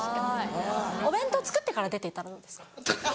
お弁当作ってから出ていったらどうですか？